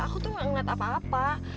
aku tuh gak ngeliat apa apa